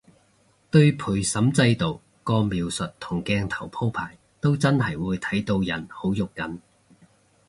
對陪審制度個描述同鏡頭鋪排都真係會睇到人好肉緊